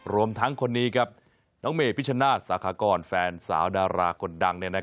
รวมทั้งคนนี้ครับน้องเมพิชนาศสาขากรแฟนสาวดาราคนดัง